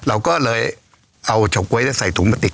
เราก็เลยเอาฉกไว้แล้วใส่ถุงมาติด